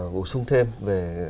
bổ sung thêm về